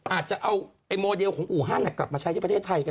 อาจจะเอาไอ้โมเดลของอู่ฮั่นกลับมาใช้ที่ประเทศไทยกัน